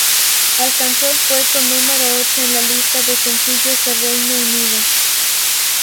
Alcanzó el puesto número ocho en la lista de sencillos de Reino Unido.